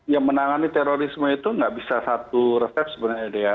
yang menangani terorisme itu nggak bisa satu resep sebenarnya dea